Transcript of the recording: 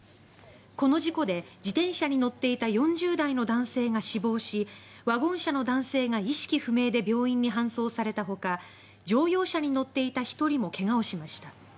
この事故で自転車に乗っていた４０代の男性が死亡しワゴン車の男性が意識不明で病院に搬送されたほか乗用車に乗っていた１人も怪我をしました。